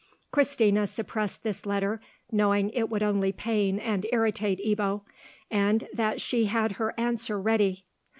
Christina suppressed this letter, knowing it would only pain and irritate Ebbo, and that she had her answer ready.